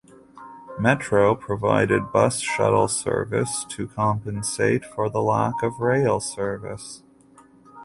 Metro provided bus shuttle service to compensate for the lack of rail service.